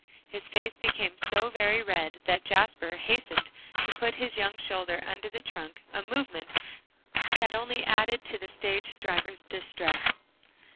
His face became so very red that Jasper hastened to put his young shoulder under the trunk, a movement that only added to the stage driver's distress.